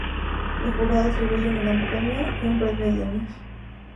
El jurado atribuye un gran premio y un premio júnior.